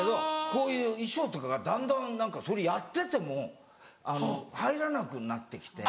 こういう衣装とかがだんだんそれやってても入らなくなって来て。